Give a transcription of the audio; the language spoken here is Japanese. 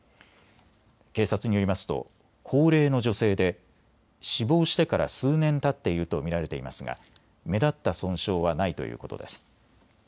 警察によりますと高齢の女性で死亡してから数年たっていると見られていますが目立った損傷はないということです。